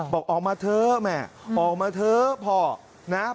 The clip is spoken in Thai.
บอกออกมาเถอะแม่ออกมาเถอะพ่อนะ